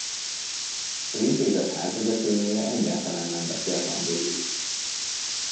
Az intézet házvezetőnője egyáltalán nem beszélt angolul.